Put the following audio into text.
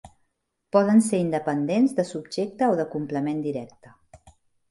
Poden ser independents, de subjecte o de complement directe.